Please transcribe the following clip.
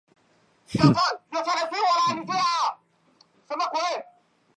它用于有机合成中巯基的引入。